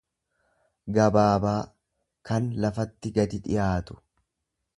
gabaabaa, kan lafatti gadi dhiyaatu.